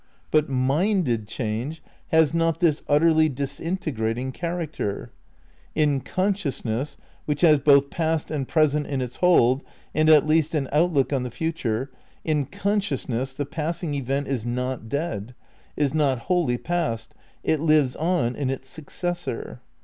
But minded change has not this utterly disintegrat ing character. In consciousness, which has both past and present in its hold and at least an outlook on the future, in consciousness the passing event is not dead, is not wholly past ; it lives on in its successor.